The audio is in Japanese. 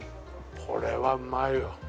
これはうまいよ。